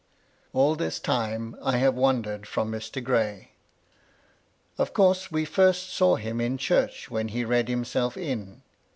All this time I have wandered from Mr. Gray. Of course, we first saw him in church when he read himself in.